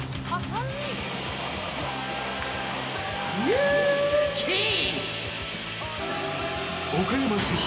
［ルーキー！］